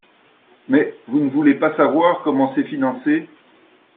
Mais… Vous ne voulez pas savoir comment c’est financé.